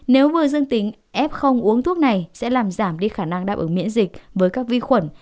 nếu vừa dương tính f không uống thuốc này sẽ làm giảm đi khả năng đáp ứng miễn dịch với các vi khuẩn